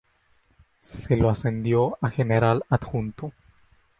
Se lo ascendió a general adjunto.